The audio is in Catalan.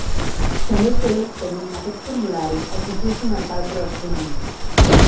També podeu obtenir aquest formulari al Consell comarcal corresponent.